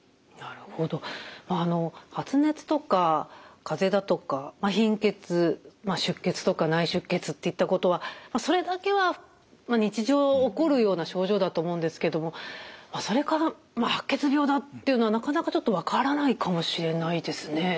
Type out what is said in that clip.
発熱とかかぜだとか貧血出血とか内出血っていったことはそれだけは日常起こるような症状だと思うんですけどもそれから「白血病だ」っていうのはなかなかちょっと分からないかもしれないですね。